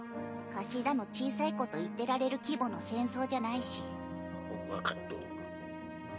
貸しだの小さいこと言ってられる規模の戦争じゃないし。わ分かっとる。